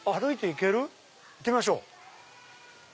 行ってみましょう。